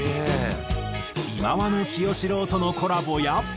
忌野清志郎とのコラボや。